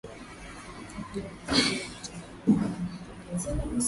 huku pia likiwa teka raia wa kigeni